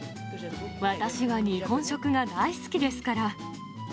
私は日本食が大好きですから。